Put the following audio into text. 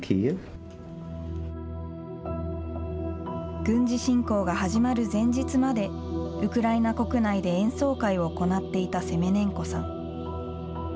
軍事侵攻が始まる前日までウクライナ国内で演奏会を行っていたセメネンコさん。